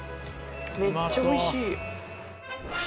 めっちゃおいしい。